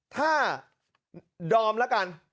ถ้าดอมละกัน